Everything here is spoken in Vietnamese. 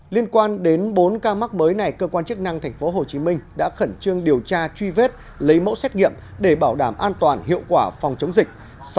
liên quan đến bốn ca mắc mới này cơ quan chức năng tp hcm đã khẩn trương điều tra truy vết lấy mẫu xét nghiệm để bảo đảm an toàn hiệu quả phòng chống dịch